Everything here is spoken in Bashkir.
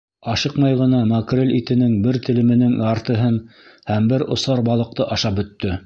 Ашыҡмай ғына макрель итенең бер телеменең яртыһын һәм бер осар балыҡты ашап бөттө.